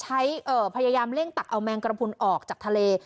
ใช้เอ่อพยายามเร่งตักเอาแมงกระพูลออกจากทะเล